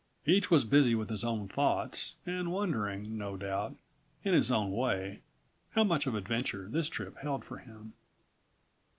Each was busy with his own thoughts and wondering, no doubt, in his own way how much of adventure this trip held for him.